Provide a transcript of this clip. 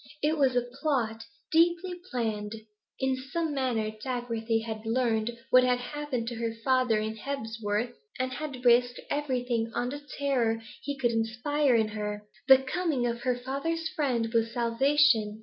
It was a plot, deeply planned. In some manner Dagworthy had learned what had happened to her father in Hebsworth, and had risked everything on the terror he could inspire in her. The coming of her father's friend was salvation.